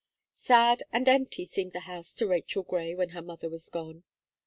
Sad and empty seemed the house to Rachel Gray when her mother was gone.